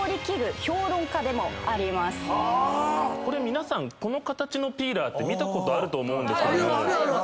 皆さんこの形のピーラーって見たことあると思うんですけども。